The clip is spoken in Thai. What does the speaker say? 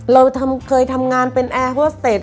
เราเคยทำงานเป็นแอร์โฮสเตจ